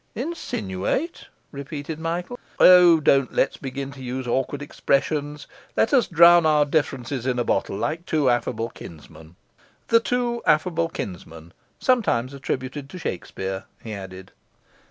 'Insinuate?' repeated Michael. 'O, don't let's begin to use awkward expressions! Let us drown our differences in a bottle, like two affable kinsmen. The Two Affable Kinsmen, sometimes attributed to Shakespeare,' he added.